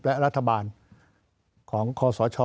และรัฐบาลของคศ